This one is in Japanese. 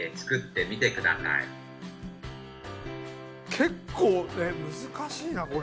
結構難しいなこれ。